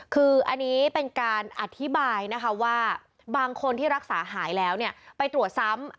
คืออันนี้เป็นการอธิบายนะคะว่าบางคนที่รักษาหายแล้วไปตรวจซ้ำ